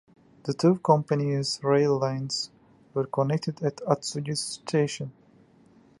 The two companies' rail lines were connected at Atsugi Station.